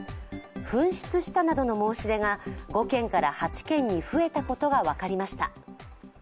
紛失したなどの申し出が５件から８件に増えたことが分かりました。